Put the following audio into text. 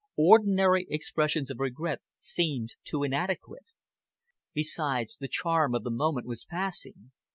Ordinary expressions of regret seemed too inadequate. Besides, the charm of the moment was passing.